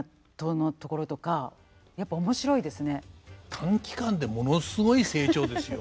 短期間でものすごい成長ですよ。